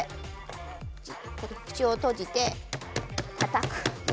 口を閉じて、たたく。